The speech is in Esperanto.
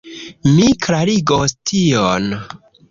Mi klarigos tion.